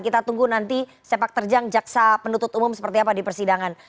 kita tunggu nanti sepak terjang jaksa penuntut umum seperti apa di persidangan